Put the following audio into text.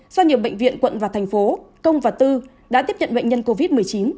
do nhiều bệnh viện quận và thành phố công và tư đã tiếp nhận bệnh nhân covid một mươi chín